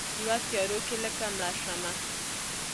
یوه تیارو کې لکه مړه شمعه